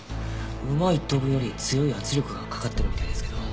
馬１頭分より強い圧力がかかってるみたいですけど。